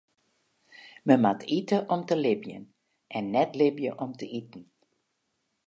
Men moat ite om te libjen en net libje om te iten.